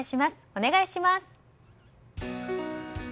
お願いします。